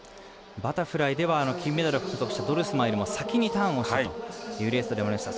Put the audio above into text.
バタフライでは金メダルを獲得したドルスマンよりも先にターンをしたというレースでもありました。